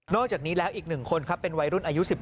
อกจากนี้แล้วอีก๑คนครับเป็นวัยรุ่นอายุ๑๗